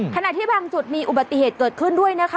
ขณะที่บางจุดมีอุบัติเหตุเกิดขึ้นด้วยนะคะ